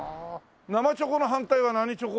「生チョコ」の反対は何チョコ？